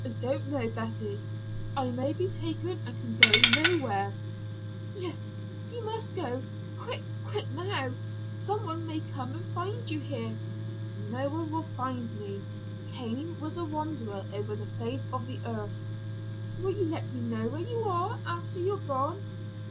"I don't know, Betty. I may be taken and can go nowhere." "Yes, you must go quick quick now. Some one may come and find you here." "No one will find me. Cain was a wanderer over the face of the earth." "Will you let me know where you are, after you are gone?"